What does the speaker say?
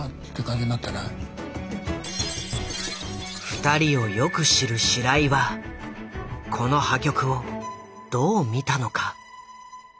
二人をよく知る白井はこの破局をどう見たのか。